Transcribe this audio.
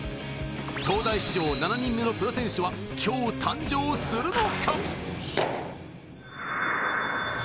東大史上７人目のプロ選手は、今日、誕生するのか？